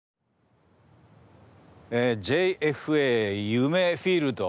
ＪＦＡ夢フィールド。